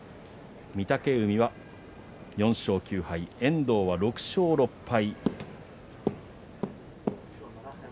御嶽海は４勝９敗遠藤は６勝７敗。